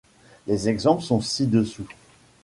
Les exemples sont ci-dessous.